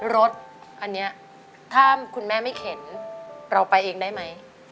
รถอันนี้ถ้าคุณแม่ไม่เข็นเราไปเองได้ไหม